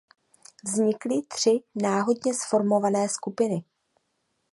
Vznikly tři náhodně zformované skupiny.